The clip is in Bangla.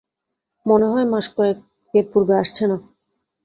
মনে হয় মাসকয়েকের পূর্বে আসছে না।